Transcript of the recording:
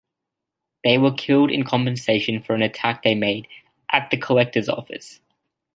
They were killed in compensation from an attack they made at the collector's office.